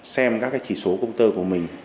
xem các cái chỉ số công tơ của mình